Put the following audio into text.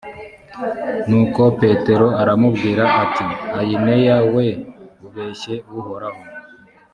nuko petero aramubwira ati ayineya we, ubeshye uhoraho.